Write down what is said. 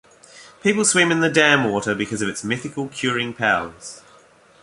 People swim in the dam water because of its mythical curing powers.